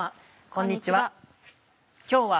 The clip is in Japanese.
こんにちは。